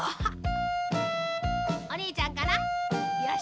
おにいちゃんかな？